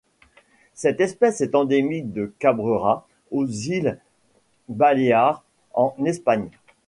Cette espèce est endémique de Cabrera aux îles Baléares en Espagne.